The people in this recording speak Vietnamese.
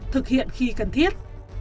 thực hiện khi cần thiết